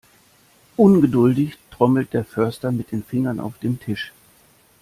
Ungeduldig trommelt der Förster mit den Fingern auf dem Tisch.